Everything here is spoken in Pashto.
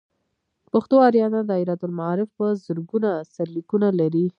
پښتو آریانا دایرة المعارف په زرګونه سرلیکونه لري.